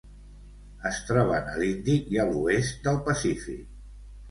Es troben a l'Índic i a l'oest del Pacífic.